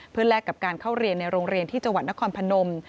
เพื่อแลกกับการเข้าเรียนในโรงเรียนที่จังหวัดนครพนม